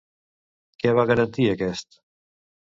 Què va garantir aquest?